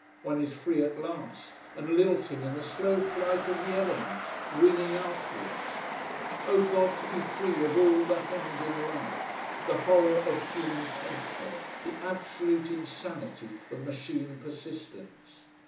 One is free at last and lilting in a slow flight of the elements, winging outwards. Oh God, to be free of all the hemmed in life the horror of human tension, the absolute insanity of machine persistence.